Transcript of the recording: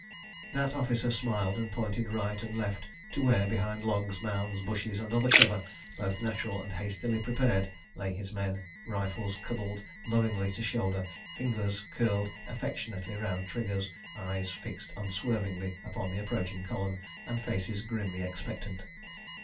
That officer smiled and pointed right and left to where, behind logs, mounds, bushes, and other cover, both natural and hastily prepared, lay his men, rifles cuddled lovingly to shoulder, fingers curled affectionately round triggers, eyes fixed unswervingly upon the approaching column, and faces grimly expectant.